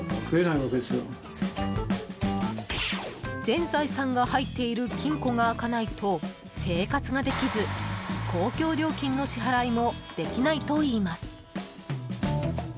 全財産が入っている金庫が開かないと生活ができず、公共料金の支払いもできないといいます。